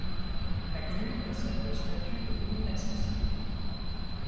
La commune possède le statut de commune associée.